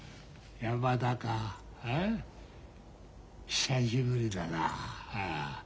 久しぶりだな。